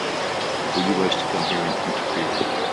Were you wise to come here and interfere?